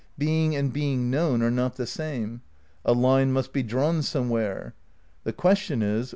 Primary Being and being known are not the same. A line must socoa be drawn somewhere. The question is.